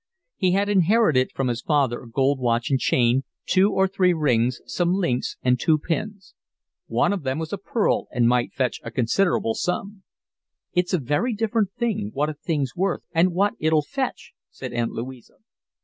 He had inherited from his father a gold watch and chain, two or three rings, some links, and two pins. One of them was a pearl and might fetch a considerable sum. "It's a very different thing, what a thing's worth and what it'll fetch," said Aunt Louisa.